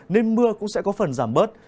nên mưa cũng sẽ có phần giảm bớt